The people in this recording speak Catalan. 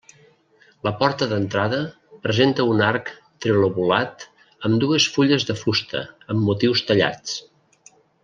La porta d'entrada presenta un arc trilobulat amb dues fulles de fusta, amb motius tallats.